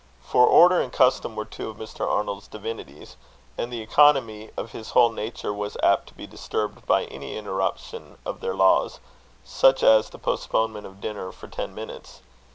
For order and custom were two of Mr. Arnold's divinities; and the economy of his whole nature was apt to be disturbed by any interruption of their laws, such as the postponement of dinner for ten minutes.